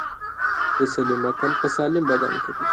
دسلیم عقل په سالم بدن کی دی.